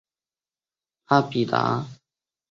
拉比达也是该修道院所在地区的名称。